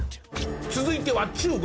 続いては中国。